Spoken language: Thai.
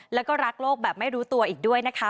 แล้วก็รักโลกแบบไม่รู้ตัวอีกด้วยนะคะ